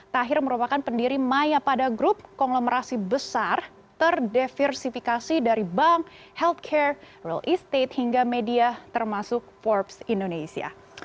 tahir merupakan pendiri maya pada group konglomerasi besar terdiversifikasi dari bank healthcare real estate hingga media termasuk forbes indonesia